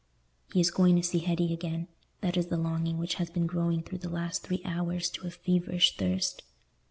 He is going to see Hetty again: that is the longing which has been growing through the last three hours to a feverish thirst.